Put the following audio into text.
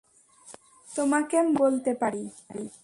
তোমাকে মার্ক বলতে পারি?